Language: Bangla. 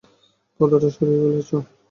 পর্দাটা সরিয়ে ফেলেছ?